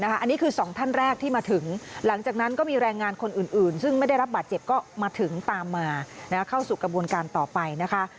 อันนี้คือสองท่านแรกที่มาถึงหลังจากนั้นก็มีแรงงานคนอื่นซึ่งไม่ได้รับบาดเจ็บก็มาถึงตามมาเข้าสู่กระบวนการต่อไปนะคะ